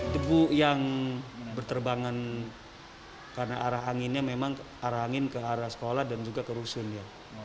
debu yang berterbangan karena arah anginnya memang arah angin ke arah sekolah dan juga ke rusun ya